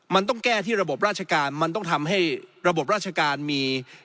มันต้องแก้ที่ระบบราชการมันต้องทำให้ระบบราชการมี